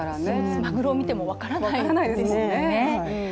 マグロを見ても分からないですもんね。